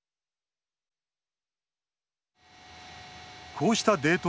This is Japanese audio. こうしたデート